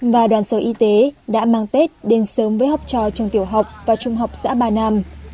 và đoàn sở y tế đã mang tết đến sớm với học trò trường tiểu học và trung học xã ba nam